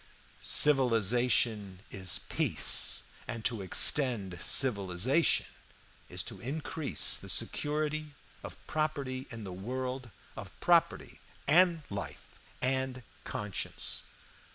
"Civilization is peace, and to extend civilization is to increase the security of property in the world of property and life and conscience.